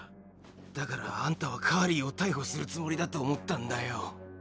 だからあんたはカーリーを逮捕するつもりだと思ったんだよ。